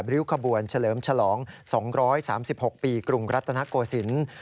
ริ้วขบวนเฉลิมฉลอง๒๓๖ปีกรุงรัฐนโกศิลป์